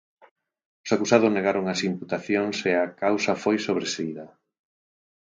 Os acusados negaron as imputacións e a causa foi sobresida.